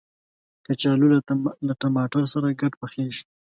کچالو له ټماټر سره ګډ پخیږي